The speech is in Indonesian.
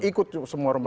ikut semua orang